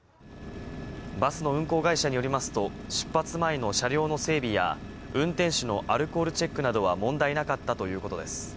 バスの運行会社によりますと、出発前の車両の整備や、運転手のアルコールチェックなどは問題なかったということです。